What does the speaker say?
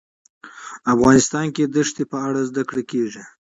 افغانستان کې د ښتې په اړه زده کړه کېږي.